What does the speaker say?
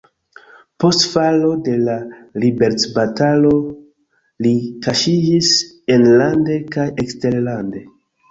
Post falo de la liberecbatalo li kaŝiĝis enlande kaj eksterlande.